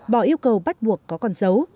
bỏ yêu cầu bắt buộc có còn dấu